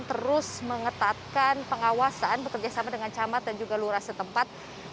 terus mengetatkan pengawasan bekerjasama dengan camat dan juga lurah setempat